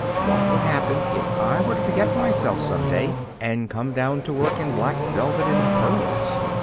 What would happen if I were to forget myself some day and come down to work in black velvet and pearls?"